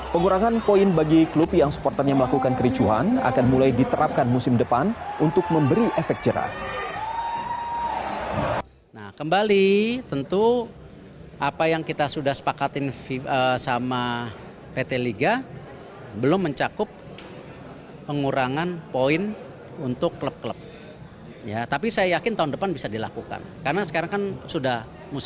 pengurangan poin bagi klub yang supporternya melakukan kericuhan akan mulai diterapkan musim depan untuk memberi efek cerah